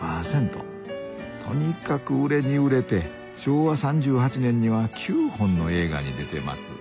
とにかく売れに売れて昭和３８年には９本の映画に出てます。